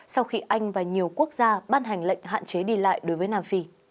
sau khi anh và nhiều quốc gia ban hành lệnh hạn chế đi lại đối với nam phi